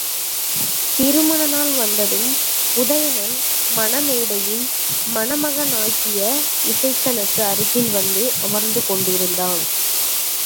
திருமண நாள் வந்ததும் உதயணன், மணமேடையில் மணமகனாகிய இசைச்சனுக்கு அருகில் வந்து அமர்ந்து கொண்டிருந்தான்.